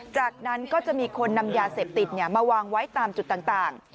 จากนั้นก็จะมีคนนำยาเสพติดมาวางไว้ตามจุดต่าง